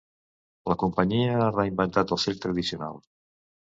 La companyia ha reinventat el circ tradicional.